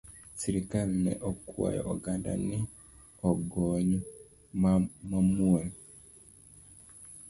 Sirikal ne okwayo oganda ni ong’any mamuol